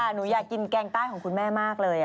หนูอยากกินแกงใต้ของคุณแม่มากเลย